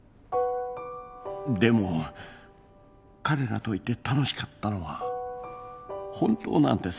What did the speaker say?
でも彼らといて楽しかったのは本当なんです。